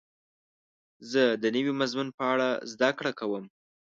زه د نوي مضمون په اړه زده کړه کوم.